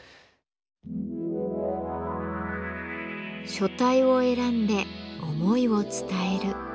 書体を選んで思いを伝える。